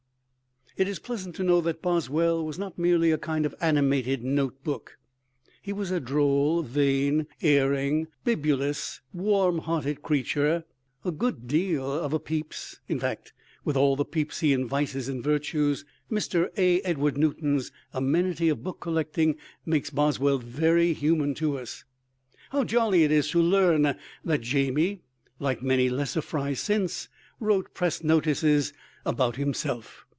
It is pleasant to know that Boswell was not merely a kind of animated note book. He was a droll, vain, erring, bibulous, warm hearted creature, a good deal of a Pepys, in fact, with all the Pepysian vices and virtues. Mr. A. Edward Newton's "Amenities of Book Collecting" makes Boswell very human to us. How jolly it is to learn that Jamie (like many lesser fry since) wrote press notices about himself.